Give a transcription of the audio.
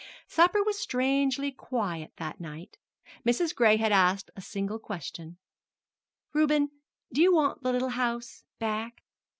Supper was strangely quiet that night. Mrs. Gray had asked a single question: "Reuben, do you want the little house back?"